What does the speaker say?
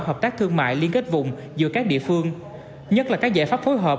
hợp tác thương mại liên kết vùng giữa các địa phương nhất là các giải pháp phối hợp